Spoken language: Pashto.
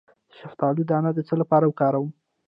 د شفتالو دانه د څه لپاره وکاروم؟